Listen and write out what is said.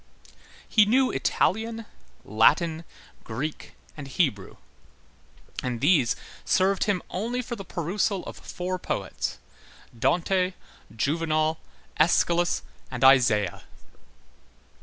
He knew Italian, Latin, Greek, and Hebrew; and these served him only for the perusal of four poets: Dante, Juvenal, Æschylus, and Isaiah.